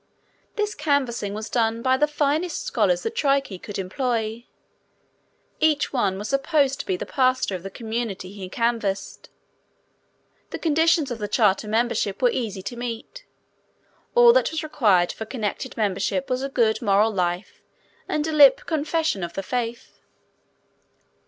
This canvassing was done by the finest scholars that Trique could employ. Each one was supposed to be the pastor of the community he canvassed. The conditions of the charter membership were easy to meet. All that was required for connected membership was a good moral life and a lip confession of the faith.